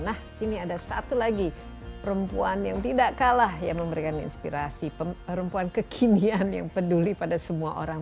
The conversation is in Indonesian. nah ini ada satu lagi perempuan yang tidak kalah ya memberikan inspirasi perempuan kekinian yang peduli pada semua orang